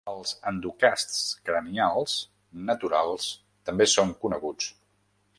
Els endocasts cranials naturals també són coneguts.